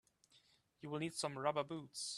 You will need some rubber boots.